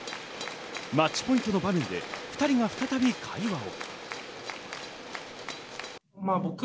マッチポイントの場面で２人は再び会話を。